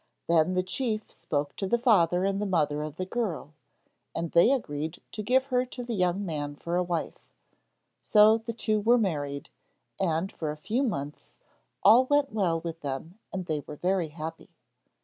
Then the chief spoke to the father and the mother of the girl, and they agreed to give her to the young man for a wife. So the two were married, and for a few months all went well with them and they were very happy.